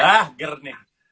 hah ger nih